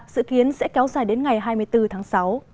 dự kiến sẽ kéo dài đến ngày hai mươi bốn tháng sáu